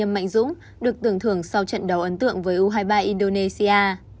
mạnh dũng được tưởng thưởng sau trận đấu ấn tượng với u hai mươi ba indonesia